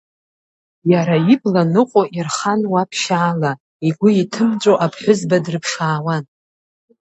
Иара ибла ныҟәо ирхан уа ԥшьаала, игәы иҭымҵәо аԥҳәызба дрыԥшаауан.